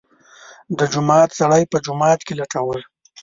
د جومات سړی په جومات کې لټوه.